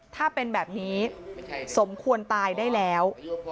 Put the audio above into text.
ถ้าเป็นแบบนี้สมควรตายได้แล้ว